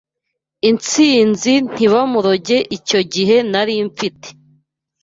insinzi ntibamuroge icyo gihe nari mfite